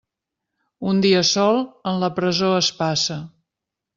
Un dia sol, en la presó es passa.